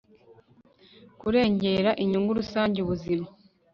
kurengera inyungu rusange ubuzima